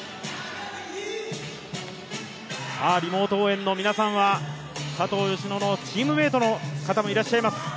リモート応援の皆さんは佐藤淑乃のチームメイトの皆さんもいらっしゃいます。